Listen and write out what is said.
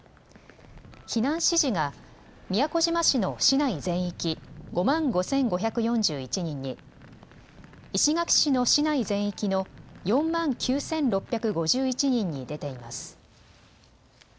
避難指示が宮古島市の市内全域５万５５４１人に、石垣市の市内全域の４万９６５１人に出ています。